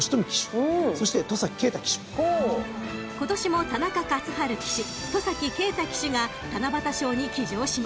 ［今年も田中勝春騎手戸崎圭太騎手が七夕賞に騎乗します］